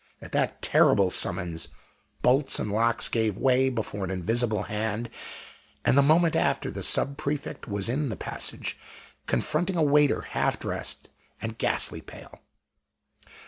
At that terrible summons bolts and locks gave way before an invisible hand, and the moment after the Sub prefect was in the passage, confronting a waiter half dressed and ghastly pale.